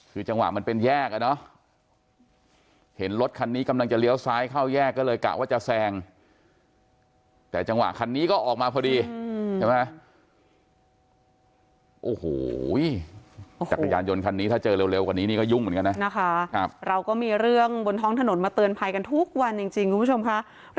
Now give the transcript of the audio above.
คือจังหวะมันเป็นแยกอ่ะเนอะเห็นรถคันนี้กำลังจะเลี้ยวซ้ายเข้าแยกก็เลยกะว่าจะแซงแต่จังหวะคันนี้ก็ออกมาพอดีใช่ไหมโอ้โหจักรยานยนต์คันนี้ถ้าเจอเร็วกว่านี้นี่ก็ยุ่งเหมือนกันนะนะคะเราก็มีเรื่องบนท้องถนนมาเตือนภัยกันทุกวันจริงคุณผู้ชมค่ะ